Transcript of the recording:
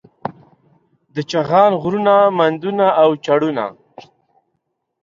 د چغان غرونه، مندونه او چړونه